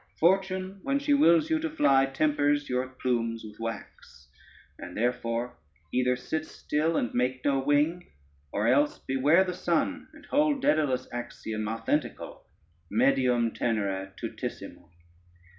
Fortune, when she wills you to fly, tempers your plumes with wax; and therefore either sit still and make no wing, or else beware the sun, and hold Daedalus' axiom authentical, medium tenere tutissimum.